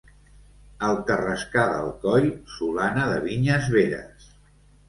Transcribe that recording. El Carrascar d'Alcoi, solana de vinyes veres.